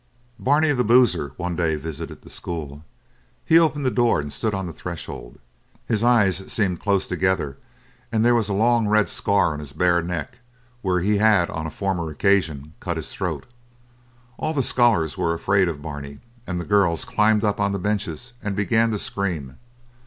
Barney, the boozer, one day visited the school. He opened the door and stood on the threshold. His eyes seemed close together, and there was a long red scar on his bare neck, where he had on a former occasion cut his throat. All the scholars were afraid of Barney, and the girls climbed up on the benches and began to scream.